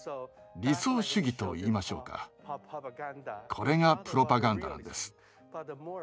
理想主義と言いましょうかこれがプロパガンダなんです。